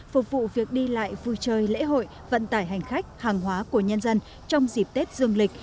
phục vụ việc đi lại vui chơi lễ hội vận tải hành khách hàng hóa của nhân dân trong dịp tết dương lịch